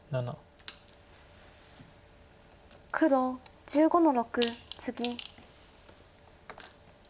黒１５の六ツギ。